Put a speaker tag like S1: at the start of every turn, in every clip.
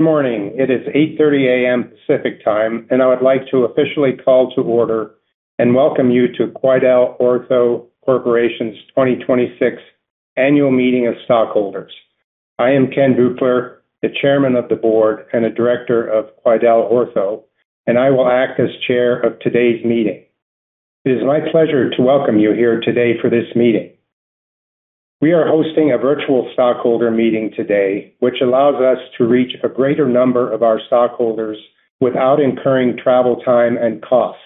S1: Good morning. It is 8:30 A.M. Pacific Time. I would like to officially call to order and welcome you to QuidelOrtho Corporation's 2026 Annual Meeting of Stockholders. I am Ken Buechler, the Chairman of the Board and a Director of QuidelOrtho. I will act as Chair of today's meeting. It is my pleasure to welcome you here today for this meeting. We are hosting a virtual stockholder meeting today, which allows us to reach a greater number of our stockholders without incurring travel time and costs.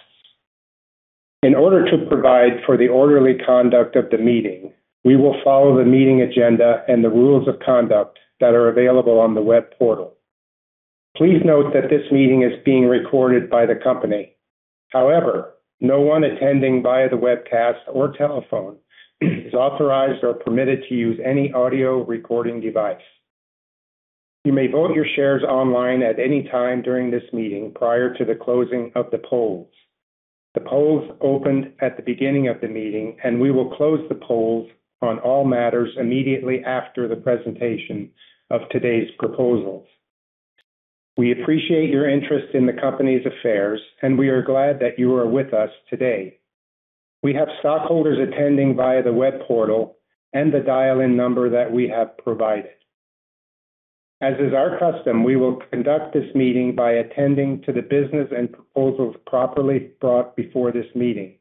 S1: In order to provide for the orderly conduct of the meeting, we will follow the meeting agenda and the rules of conduct that are available on the web portal. Please note that this meeting is being recorded by the company. No one attending via the webcast or telephone is authorized or permitted to use any audio recording device. You may vote your shares online at any time during this meeting prior to the closing of the polls. The polls opened at the beginning of the meeting. We will close the polls on all matters immediately after the presentation of today's proposals. We appreciate your interest in the company's affairs. We are glad that you are with us today. We have stockholders attending via the web portal and the dial-in number that we have provided. As is our custom, we will conduct this meeting by attending to the business and proposals properly brought before this meeting.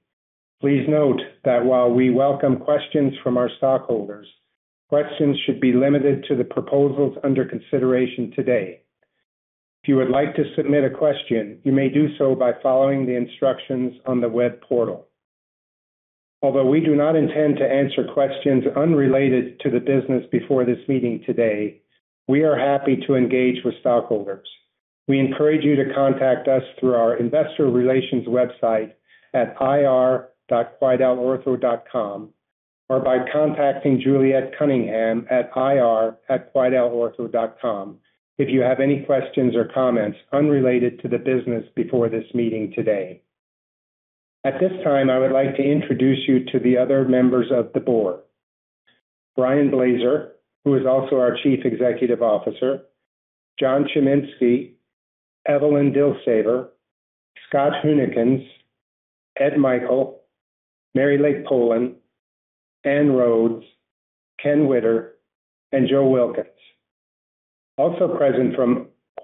S1: Please note that while we welcome questions from our stockholders, questions should be limited to the proposals under consideration today. If you would like to submit a question, you may do so by following the instructions on the web portal. We do not intend to answer questions unrelated to the business before this meeting today. We are happy to engage with stockholders. We encourage you to contact us through our investor relations website at ir.quidelortho.com or by contacting Juliet Cunningham at ir@quidelortho.com if you have any questions or comments unrelated to the business before this meeting today. At this time, I would like to introduce you to the other members of the board: Brian Blaser, who is also our Chief Executive Officer, John Chiminski, Evelyn Dilsaver, Scott Huennekens, Ed Michael, Mary Lake Polan, Ann Rhoads, Ken Widder, and Joe Wilkins.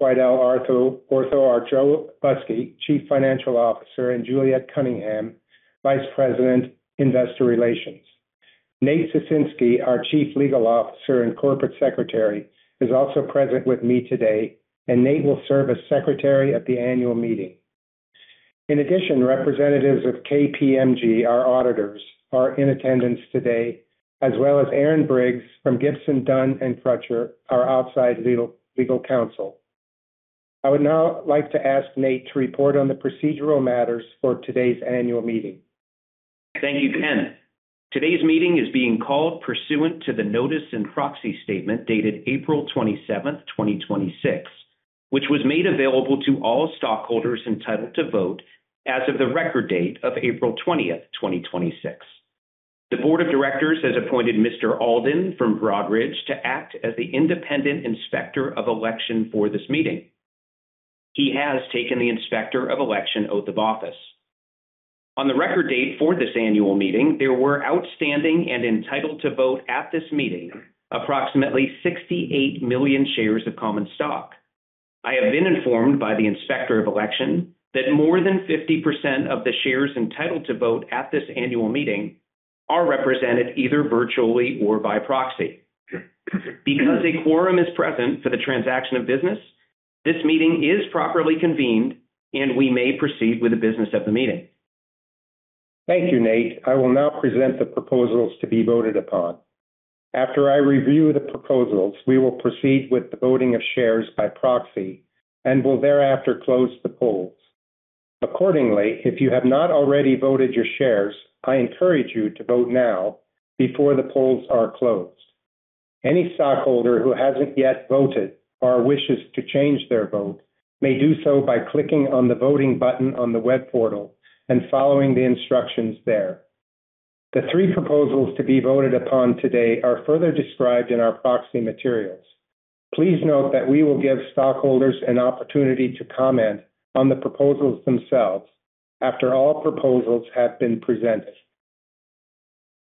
S1: Also present from QuidelOrtho are Joe Busky, Chief Financial Officer, and Juliet Cunningham, Vice President, Investor Relations. Nate Sisitsky, our Chief Legal Officer and Corporate Secretary, is also present with me today. Nate will serve as Secretary at the annual meeting. Representatives of KPMG, our auditors, are in attendance today, as well as Aaron Briggs from Gibson, Dunn & Crutcher, our outside legal counsel. I would now like to ask Nate to report on the procedural matters for today's annual meeting.
S2: Thank you, Ken. Today's meeting is being called pursuant to the notice and proxy statement dated April 27th, 2026, which was made available to all stockholders entitled to vote as of the record date of April 20th, 2026. The Board of Directors has appointed Mr. Alden from Broadridge to act as the independent Inspector of Election for this meeting. He has taken the Inspector of Election oath of office. On the record date for this annual meeting, there were outstanding and entitled to vote at this meeting approximately 68 million shares of common stock. I have been informed by the Inspector of Election that more than 50% of the shares entitled to vote at this annual meeting are represented either virtually or by proxy. Because a quorum is present for the transaction of business, this meeting is properly convened, and we may proceed with the business of the meeting.
S1: Thank you, Nate. I will now present the proposals to be voted upon. After I review the proposals, we will proceed with the voting of shares by proxy and will thereafter close the polls. Accordingly, if you have not already voted your shares, I encourage you to vote now before the polls are closed. Any stockholder who hasn't yet voted or wishes to change their vote may do so by clicking on the voting button on the web portal and following the instructions there. The three proposals to be voted upon today are further described in our proxy materials. Please note that we will give stockholders an opportunity to comment on the proposals themselves after all proposals have been presented.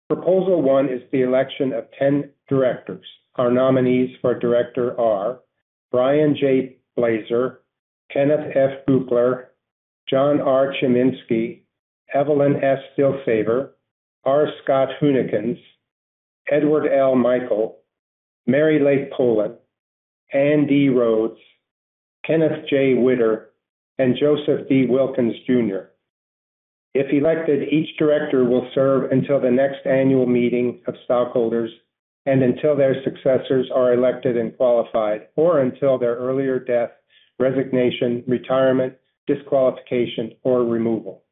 S1: Proposal one is the election of 10 directors. Our nominees for director are Brian J. Blaser, Kenneth F. Buechler, John R. Chiminski, Evelyn S. Dilsaver, R. Scott Huennekens, Edward L. Michael, Mary Lake Polan, Ann D. Rhoads, Kenneth J. Widder, and Joseph D. Wilkins Jr. If elected, each director will serve until the next annual meeting of stockholders and until their successors are elected and qualified, or until their earlier death, resignation, retirement, disqualification, or removal.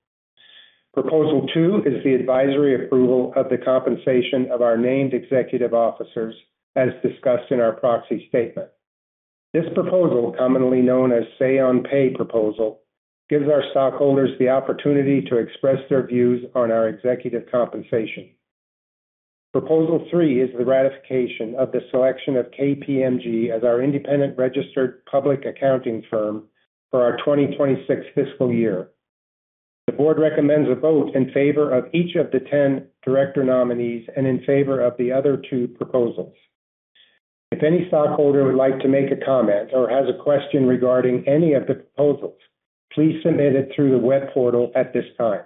S1: Proposal two is the advisory approval of the compensation of our named executive officers, as discussed in our proxy statement. This proposal, commonly known as say on pay proposal, gives our stockholders the opportunity to express their views on our executive compensation. Proposal three is the ratification of the selection of KPMG as our independent registered public accounting firm for our 2026 fiscal year. The board recommends a vote in favor of each of the 10 director nominees and in favor of the other two proposals. If any stockholder would like to make a comment or has a question regarding any of the proposals, please submit it through the web portal at this time.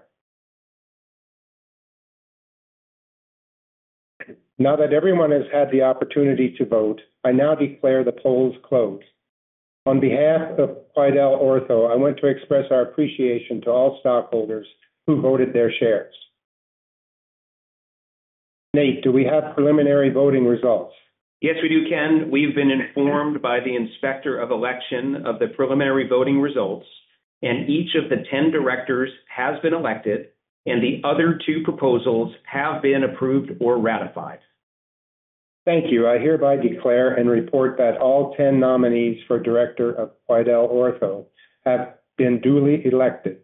S1: Now that everyone has had the opportunity to vote, I now declare the polls closed. On behalf of QuidelOrtho, I want to express our appreciation to all stockholders who voted their shares. Nate, do we have preliminary voting results?
S2: Yes, we do, Ken. We've been informed by the Inspector of Election of the preliminary voting results, and each of the 10 directors has been elected, and the other two proposals have been approved or ratified.
S1: Thank you. I hereby declare and report that all 10 nominees for director of QuidelOrtho have been duly elected.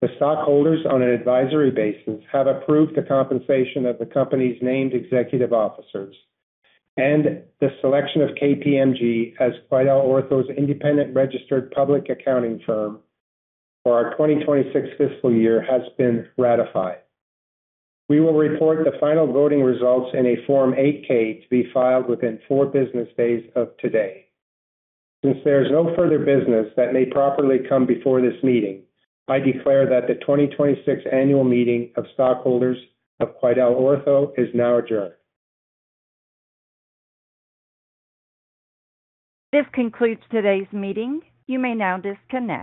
S1: The stockholders, on an advisory basis, have approved the compensation of the company's named executive officers and the selection of KPMG as QuidelOrtho's independent registered public accounting firm for our 2026 fiscal year has been ratified. We will report the final voting results in a Form 8-K to be filed within four business days of today. Since there is no further business that may properly come before this meeting, I declare that the 2026 annual meeting of stockholders of QuidelOrtho is now adjourned.
S3: This concludes today's meeting. You may now disconnect.